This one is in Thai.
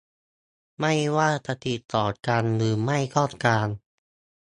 ไม่ว่าจะติดต่อกันหรือไม่ก็ตาม